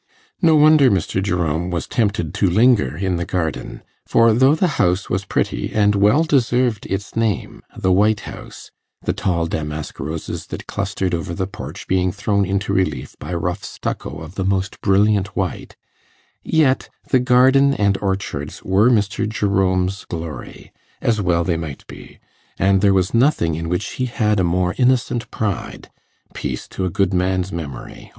No wonder Mr. Jerome was tempted to linger in the garden, for though the house was pretty and well deserved its name 'the White House', the tall damask roses that clustered over the porch being thrown into relief by rough stucco of the most brilliant white, yet the garden and orchards were Mr. Jerome's glory, as well they might be; and there was nothing in which he had a more innocent pride peace to a good man's memory!